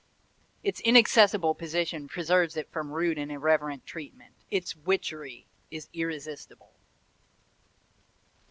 Its inaccessible position preserves it from rude and irreverent treatment. Its witchery is irresistible.